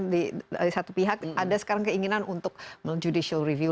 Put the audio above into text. di satu pihak ada sekarang keinginan untuk judicial review